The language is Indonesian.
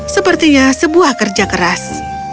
sepertinya sebuah kerja keras